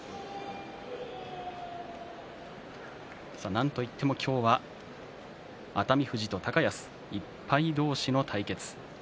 なんといっても今日は熱海富士と高安１敗同士の対決。